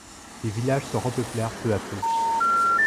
Les villages se repeuplèrent peu à peu.